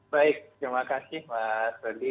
baik terima kasih mas dodi